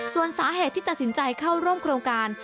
ส่วนสาเหตุที่ตัดสินใจเข้าร่วมโครงการ